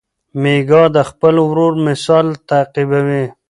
میکا د خپل ورور مثال تعقیبوي.